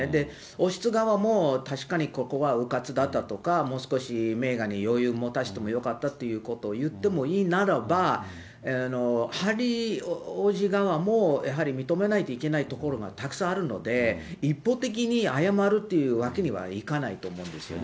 王室側も、確かにここはうかつだったとかもう少しメーガンに余裕持たせてもよかったということをいってもいいならば、ハリー王子側もやはり認めないといけないところがたくさんあるので、一方的に謝るっていうわけにはいかないと思うんですよね。